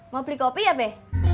mau beli kopi ya be